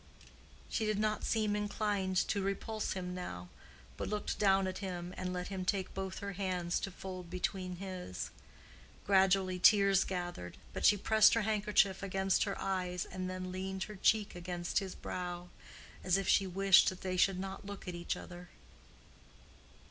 She did not seem inclined to repulse him now, but looked down at him and let him take both her hands to fold between his. Gradually tears gathered, but she pressed her handkerchief against her eyes and then leaned her cheek against his brow, as if she wished that they should not look at each other.